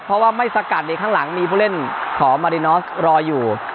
เพราะว่าไม่สกัดในข้างหลังมีผู้เล่นของมารินอสรออยู่